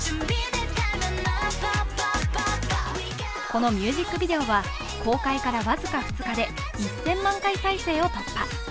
このミュージックビデオは公開から僅か２日で１０００万回再生を突破。